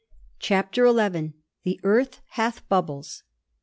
CHAPTER XL * THE EARTH HATH BUBBLES.'